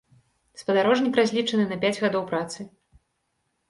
Спадарожнік разлічаны на пяць гадоў працы.